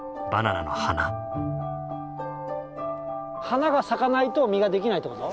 花が咲かないと実ができないってこと？